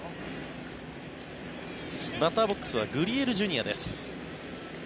バッターボックスはグリエルＪｒ．です。